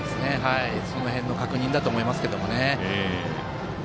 その辺の確認だと思います。